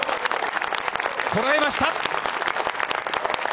捉えました！